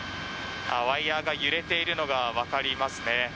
ワイヤが揺れているのがわかりますね。